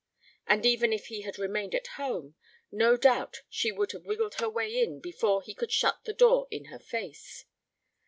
And even if he had remained at home, no doubt she would have wiggled her way in before he could shut the door in her face.